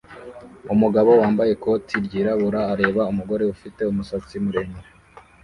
Umugabo wambaye ikoti ryirabura areba umugore ufite umusatsi muremure